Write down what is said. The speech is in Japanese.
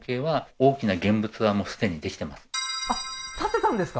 あっ建てたんですか？